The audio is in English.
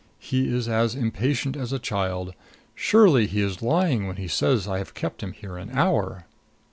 He is as impatient as a child. Surely he is lying when he says I have kept him here an hour.